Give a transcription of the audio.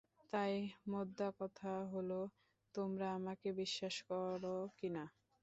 তাই, মোদ্দাকথা হলো তোমরা আমাকে বিশ্বাস করো কি- না।